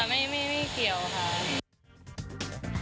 ไม่เกี่ยวค่ะ